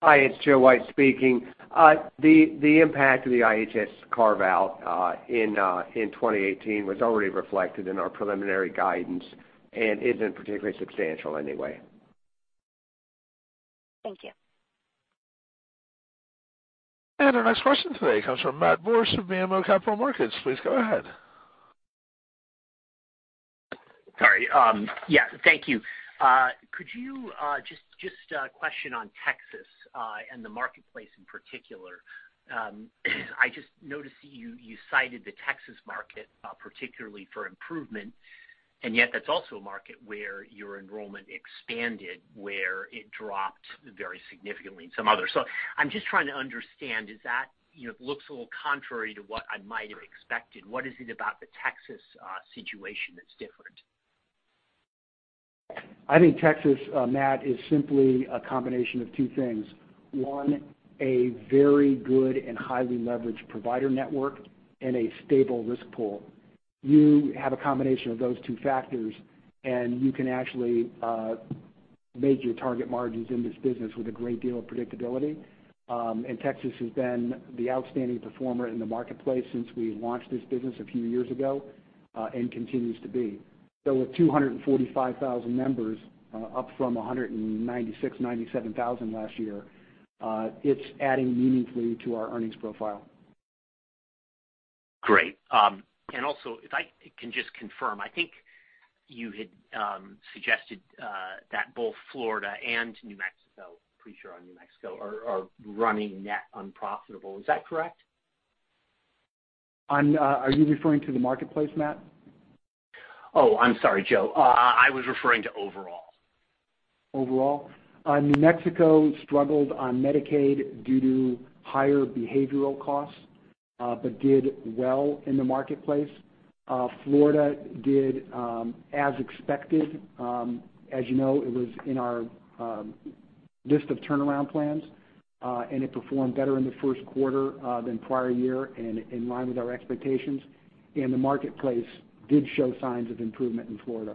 Hi, it's Joseph White speaking. The impact of the IHSS carve-out in 2018 was already reflected in our preliminary guidance and isn't particularly substantial anyway. Thank you. Our next question today comes from Matt Borsch of BMO Capital Markets. Please go ahead. Sorry. Yeah, thank you. Just a question on Texas and the Marketplace in particular. I just noticed you cited the Texas market particularly for improvement, yet that's also a market where your enrollment expanded, where it dropped very significantly in some others. I'm just trying to understand. It looks a little contrary to what I might have expected. What is it about the Texas situation that's different? I think Texas, Matt Borsch, is simply a combination of two things. One, a very good and highly leveraged provider network and a stable risk pool. You have a combination of those two factors, you can actually make your target margins in this business with a great deal of predictability. Texas has been the outstanding performer in the Marketplace since we launched this business a few years ago, and continues to be. With 245,000 members, up from 196,000, 197,000 last year, it's adding meaningfully to our earnings profile. Great. Also, if I can just confirm, I think you had suggested that both Florida and New Mexico, pretty sure on New Mexico, are running net unprofitable. Is that correct? Are you referring to the Marketplace, Matt Borsch? Oh, I'm sorry, Joe. I was referring to overall. Overall? New Mexico struggled on Medicaid due to higher behavioral costs, but did well in the Marketplace. Florida did as expected. As you know, it was in our list of turnaround plans, and it performed better in the first quarter than prior year and in line with our expectations. The Marketplace did show signs of improvement in Florida.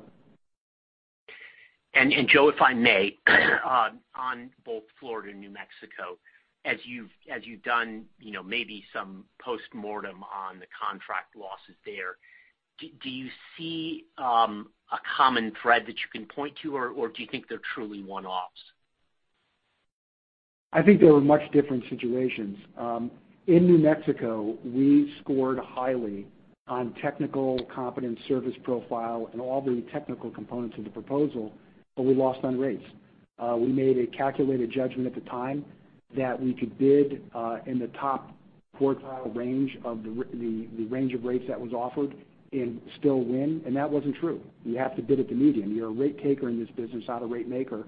Joe, if I may, on both Florida and New Mexico, as you've done maybe some postmortem on the contract losses there, do you see a common thread that you can point to, or do you think they're truly one-offs? I think they were much different situations. In New Mexico, we scored highly on technical competence, service profile, and all the technical components of the proposal, but we lost on rates. We made a calculated judgment at the time that we could bid in the top quartile range of the range of rates that was offered and still win, and that wasn't true. You have to bid at the median. You're a rate taker in this business, not a rate maker.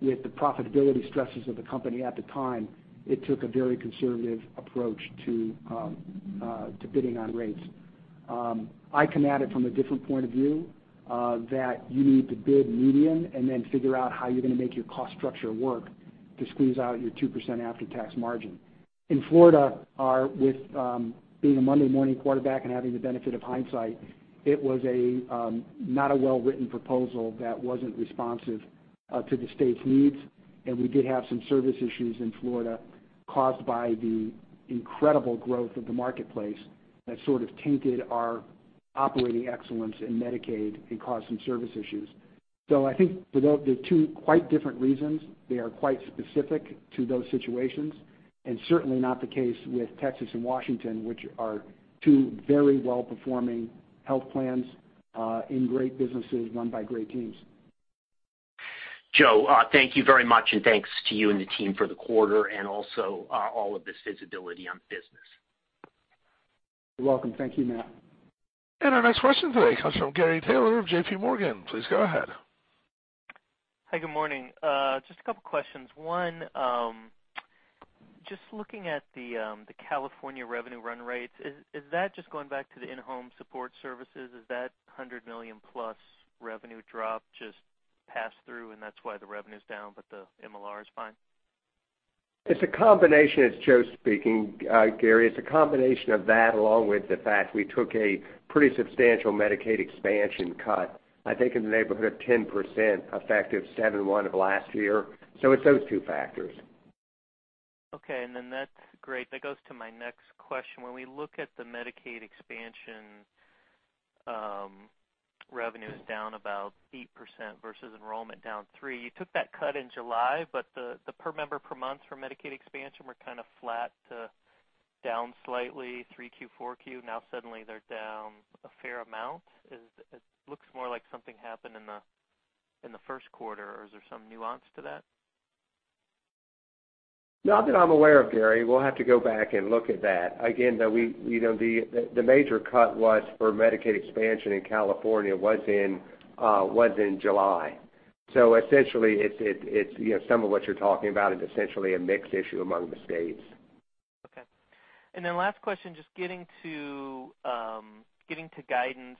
With the profitability stresses of the company at the time, it took a very conservative approach to bidding on rates. I can add it from a different point of view, that you need to bid median and then figure out how you're going to make your cost structure work to squeeze out your 2% after-tax margin. In Florida, with being a Monday morning quarterback and having the benefit of hindsight, it was not a well-written proposal that wasn't responsive to the state's needs. We did have some service issues in Florida caused by the incredible growth of the Marketplace that sort of tainted our operating excellence in Medicaid and caused some service issues. I think for those two quite different reasons, they are quite specific to those situations, and certainly not the case with Texas and Washington, which are two very well-performing health plans, in great businesses run by great teams. Joe, thank you very much. Thanks to you and the team for the quarter and also all of this visibility on the business. You're welcome. Thank you, Matt. Our next question today comes from Gary Taylor of JPMorgan. Please go ahead. Hi, good morning. Just a couple questions. One, just looking at the California revenue run rates, is that just going back to the In-Home Supportive Services? Is that $100 million-plus revenue drop just pass-through, and that's why the revenue's down, but the MLR is fine? It's a combination. It's Joe speaking, Gary. It's a combination of that along with the fact we took a pretty substantial Medicaid expansion cut, I think in the neighborhood of 10% effective 7/1 of last year. It's those two factors. Okay. That's great. That goes to my next question. When we look at the Medicaid expansion revenues down about 8% versus enrollment down three, you took that cut in July, but the per member per month for Medicaid expansion were kind of flat to down slightly 3Q, 4Q. Suddenly they're down a fair amount. It looks more like something happened in the first quarter, or is there some nuance to that? Not that I'm aware of, Gary. We'll have to go back and look at that. Again, though, the major cut was for Medicaid expansion in California was in July. Essentially some of what you're talking about is essentially a mix issue among the states. Okay. Last question, just getting to guidance.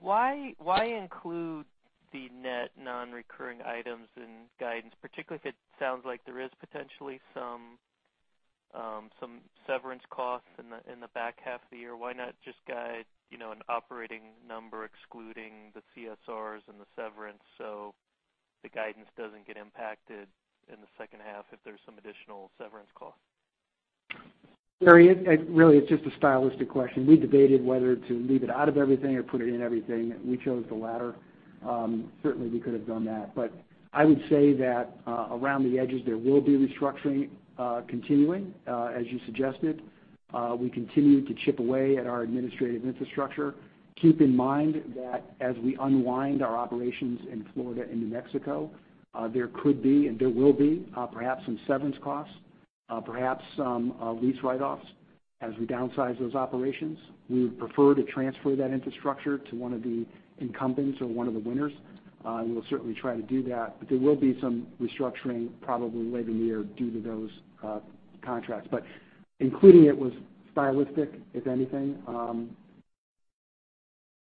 Why include the net non-recurring items and guidance, particularly if it sounds like there is potentially some severance costs in the back half of the year? Why not just guide an operating number excluding the CSRs and the severance, so the guidance doesn't get impacted in the second half if there's some additional severance cost? Gary, really, it's just a stylistic question. We debated whether to leave it out of everything or put it in everything. We chose the latter. Certainly, we could have done that. I would say that around the edges, there will be restructuring continuing, as you suggested. We continue to chip away at our administrative infrastructure. Keep in mind that as we unwind our operations in Florida and New Mexico, there could be, and there will be perhaps some severance costs, perhaps some lease write-offs as we downsize those operations. We would prefer to transfer that infrastructure to one of the incumbents or one of the winners. We'll certainly try to do that, there will be some restructuring probably later in the year due to those contracts. Including it was stylistic, if anything.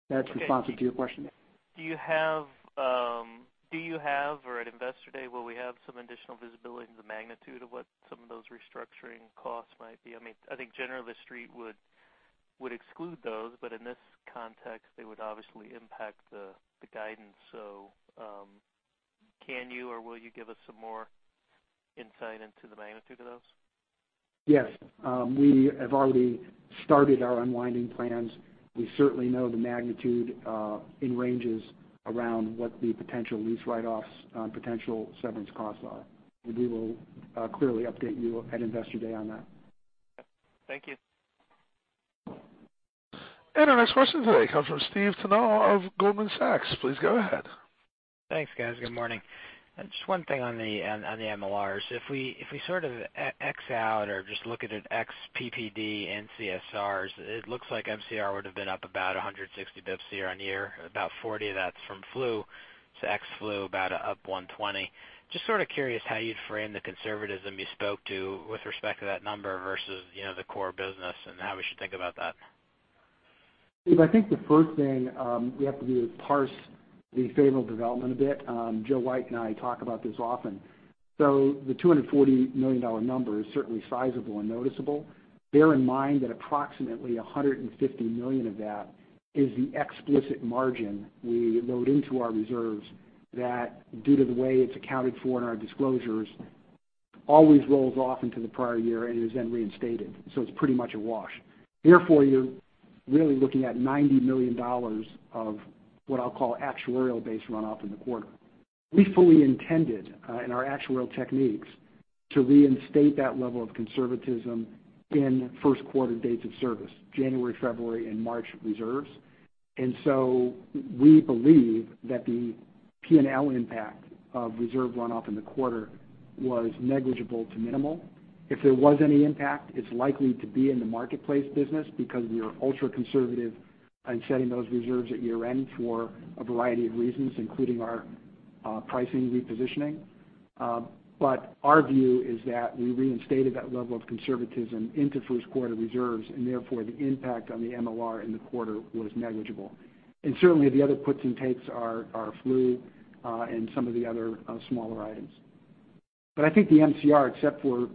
That's responsive to your question. Do you have, or at Investor Day, will we have some additional visibility into the magnitude of what some of those restructuring costs might be? I think generally the Street would exclude those, in this context, they would obviously impact the guidance. Can you or will you give us some more insight into the magnitude of those? Yes. We have already started our unwinding plans. We certainly know the magnitude in ranges around what the potential lease write-offs on potential severance costs are. We will clearly update you at Investor Day on that. Thank you. Our next question today comes from Stephen Tanal of Goldman Sachs. Please go ahead. Thanks, guys. Good morning. Just one thing on the MLRs. If we sort of ex out or just look at an ex PPD and CSRs, it looks like MCR would've been up about 160 basis points year-over-year, about 40 of that's from flu. Ex flu, about up 120. Just sort of curious how you'd frame the conservatism you spoke to with respect to that number versus the core business and how we should think about that. Steve, I think the first thing we have to do is parse the favorable development a bit. Joseph White and I talk about this often. The $240 million number is certainly sizable and noticeable. Bear in mind that approximately $150 million of that is the explicit margin we load into our reserves that, due to the way it's accounted for in our disclosures, always rolls off into the prior year and is then reinstated. It's pretty much a wash. Therefore, you're really looking at $90 million of what I'll call actuarial base run-off in the quarter. We fully intended, in our actuarial techniques, to reinstate that level of conservatism in first quarter dates of service, January, February, and March reserves. We believe that the P&L impact of reserve run-off in the quarter was negligible to minimal. If there was any impact, it's likely to be in the Marketplace business because we are ultra conservative on setting those reserves at year-end for a variety of reasons, including our pricing repositioning. Our view is that we reinstated that level of conservatism into first quarter reserves, and therefore, the impact on the MLR in the quarter was negligible. Certainly, the other puts and takes are flu, and some of the other smaller items. I think the MCR, except for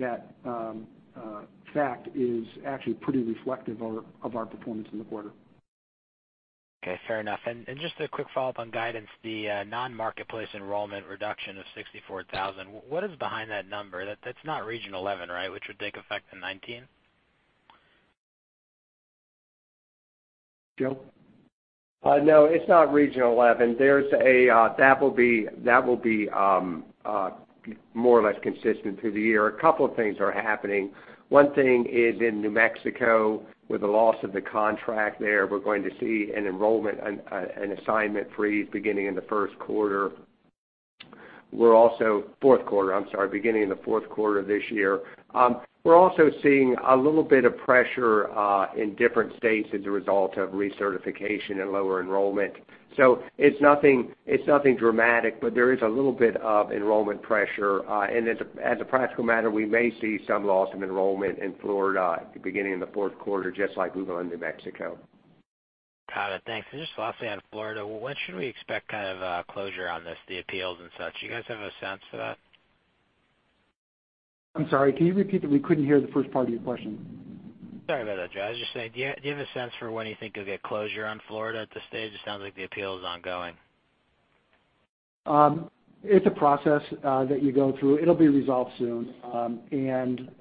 that fact, is actually pretty reflective of our performance in the quarter. Okay, fair enough. Just a quick follow-up on guidance. The non-Marketplace enrollment reduction of 64,000. What is behind that number? That's not Region 11 right, which would take effect in 2019? Joe? No, it's not Region 11. That will be more or less consistent through the year. A couple of things are happening. One thing is in New Mexico, with the loss of the contract there, we're going to see an enrollment, an assignment freeze beginning in the first quarter. Fourth quarter, I'm sorry, beginning in the fourth quarter of this year. We're also seeing a little bit of pressure in different states as a result of recertification and lower enrollment. It's nothing dramatic, but there is a little bit of enrollment pressure. As a practical matter, we may see some loss of enrollment in Florida at the beginning of the fourth quarter, just like we will in New Mexico. Got it. Thanks. Just lastly on Florida, when should we expect kind of closure on this, the appeals and such? You guys have a sense of that? I'm sorry, can you repeat that? We couldn't hear the first part of your question. Sorry about that, Joe. I was just saying, do you have a sense for when you think you'll get closure on Florida at this stage? It sounds like the appeal is ongoing. It's a process that you go through. It'll be resolved soon.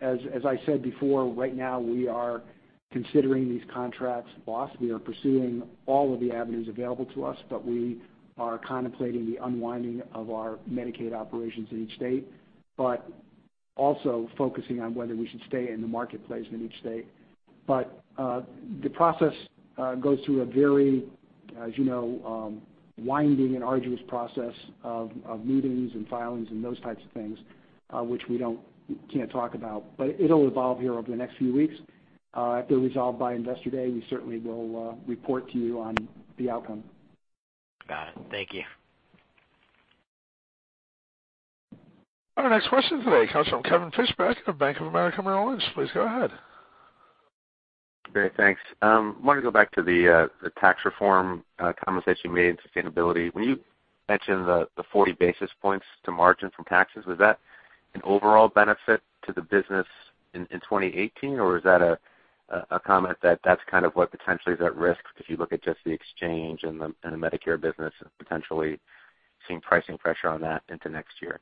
As I said before, right now we are considering these contracts lost. We are pursuing all of the avenues available to us, but we are contemplating the unwinding of our Medicaid operations in each state. Also focusing on whether we should stay in the Marketplace in each state. The process goes through a very, as you know, winding and arduous process of meetings and filings and those types of things, which we can't talk about. It'll evolve here over the next few weeks. If they're resolved by Investor Day, we certainly will report to you on the outcome. Got it. Thank you. Our next question today comes from Kevin Fischbeck of Bank of America Merrill Lynch. Please go ahead. Great. Thanks. Wanted to go back to the tax reform comments that you made and sustainability. When you mentioned the 40 basis points to margin from taxes, was that an overall benefit to the business in 2018, or is that a comment that that's kind of what potentially is at risk if you look at just the exchange and the Medicare business and potentially seeing pricing pressure on that into next year?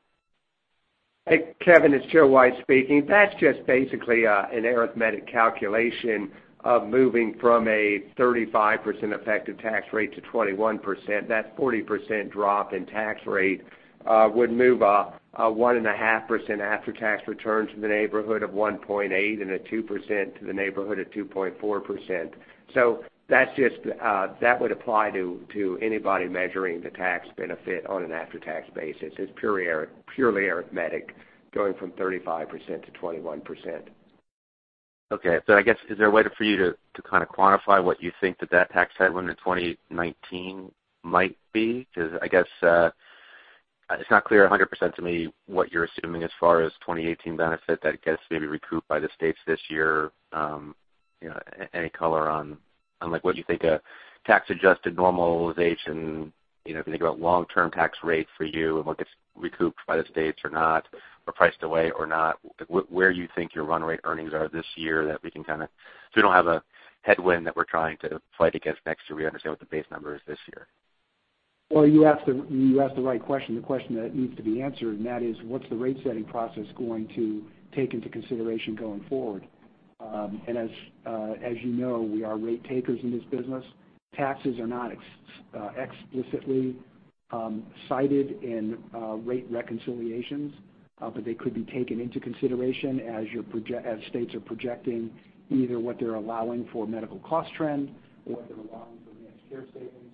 Hey, Kevin, it's Joseph White speaking. That's just basically an arithmetic calculation of moving from a 35% effective tax rate to 21%. That 40% drop in tax rate would move a 1.5% after-tax return to the neighborhood of 1.8%, and a 2% to the neighborhood of 2.4%. That would apply to anybody measuring the tax benefit on an after-tax basis. It's purely arithmetic, going from 35% to 21%. Okay. I guess, is there a way for you to quantify what you think that that tax headwind in 2019 might be? Because I guess it's not clear 100% to me what you're assuming as far as 2018 benefit that gets maybe recouped by the states this year. Any color on what you think a tax-adjusted normalization, if you think about long-term tax rates for you and what gets recouped by the states or not, or priced away or not, where you think your run rate earnings are this year that we don't have a headwind that we're trying to fight against next year. We understand what the base number is this year. Well, you asked the right question, the question that needs to be answered, and that is what's the rate-setting process going to take into consideration going forward? As you know, we are rate takers in this business. Taxes are not explicitly cited in rate reconciliations, but they could be taken into consideration as states are projecting either what they're allowing for medical cost trend or what they're allowing for managed care savings.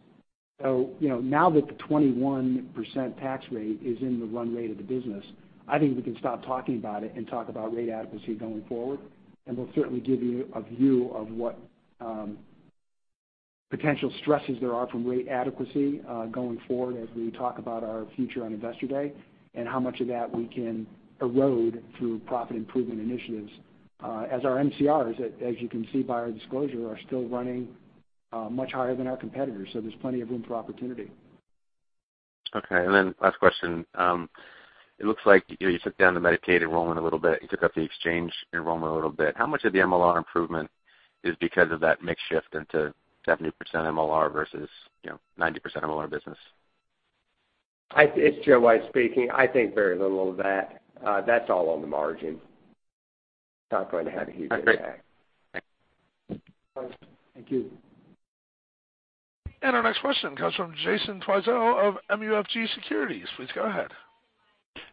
Now that the 21% tax rate is in the run rate of the business, I think we can stop talking about it and talk about rate adequacy going forward. We'll certainly give you a view of what potential stresses there are from rate adequacy going forward as we talk about our future on Investor Day and how much of that we can erode through profit improvement initiatives. As our MCRs, as you can see by our disclosure, are still running much higher than our competitors, there's plenty of room for opportunity. Okay, last question. It looks like you took down the Medicaid enrollment a little bit. You took up the exchange enrollment a little bit. How much of the MLR improvement is because of that mix shift into 70% MLR versus 90% MLR business? It's Joseph White speaking. I think very little of that. That's all on the margin. It's not going to have a huge impact. All right, great. Thanks. Thank you. Our next question comes from Jason Twizeo of MUFG Securities. Please go ahead.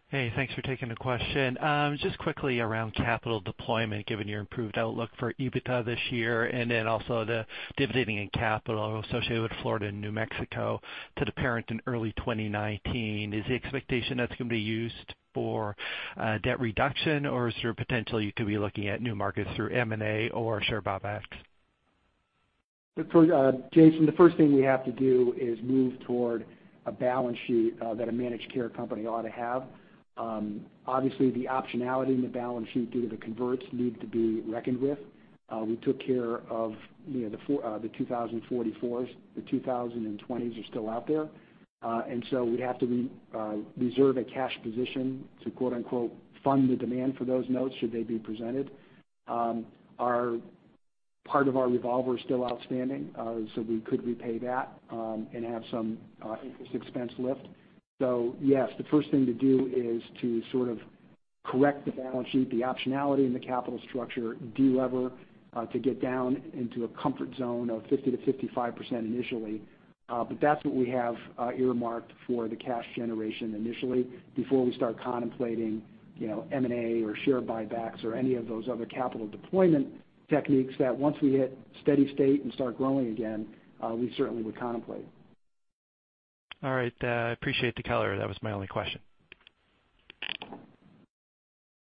Hey, thanks for taking the question. Just quickly around capital deployment, given your improved outlook for EBITDA this year and then also the dividend in capital associated with Florida and New Mexico to the parent in early 2019. Is the expectation that's going to be used for debt reduction, or is there potential you could be looking at new markets through M&A or share buybacks? Jason, the first thing we have to do is move toward a balance sheet that a managed care company ought to have. Obviously, the optionality in the balance sheet due to the converts need to be reckoned with. We took care of the 2044s. The 2020s are still out there. We'd have to reserve a cash position to quote-unquote, fund the demand for those notes, should they be presented. Part of our revolver is still outstanding, we could repay that and have some interest expense lift. Yes, the first thing to do is to sort of correct the balance sheet, the optionality in the capital structure, de-lever to get down into a comfort zone of 50%-55% initially. That's what we have earmarked for the cash generation initially, before we start contemplating M&A or share buybacks or any of those other capital deployment techniques that once we hit steady state and start growing again, we certainly would contemplate. All right. I appreciate the color. That was my only question.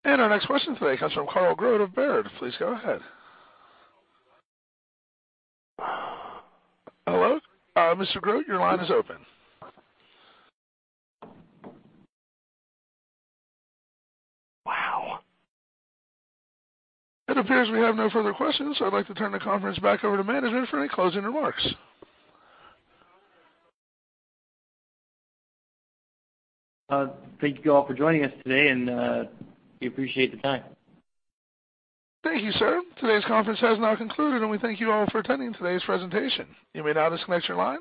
Our next question today comes from Carl Groat of Baird. Please go ahead. Hello. Mr. Groat, your line is open. Wow. It appears we have no further questions. I'd like to turn the conference back over to management for any closing remarks. Thank you all for joining us today, and we appreciate the time. Thank you, sir. Today's conference has now concluded, and we thank you all for attending today's presentation. You may now disconnect your lines.